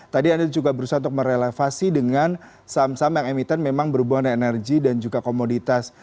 tadi anda juga berusaha untuk merelevasi dengan saham saham yang emiten memang berhubungan dengan energi dan juga komoditas